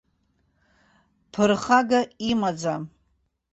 Ԥырхага имаӡам.